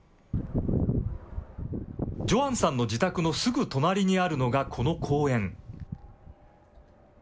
ジョアンさんの自宅のすぐ隣にあるのがこの公園。